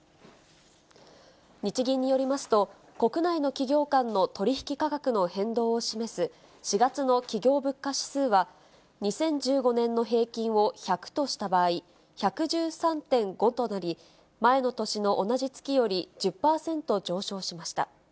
日銀によりますと、国内の企業間の取り引き価格の変動を示す、４月の企業物価指数は、２０１５年の平均を１００とした場合、１１３．５となり、前の年の同じ月より１０％上昇しました。